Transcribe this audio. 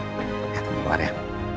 kita keluar ya